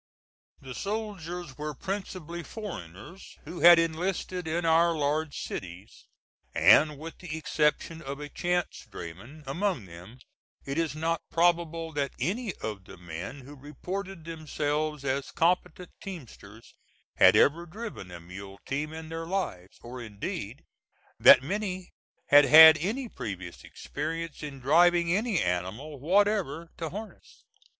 The soldiers were principally foreigners who had enlisted in our large cities, and, with the exception of a chance drayman among them, it is not probable that any of the men who reported themselves as competent teamsters had ever driven a mule team in their lives, or indeed that many had had any previous experience in driving any animal whatever to harness.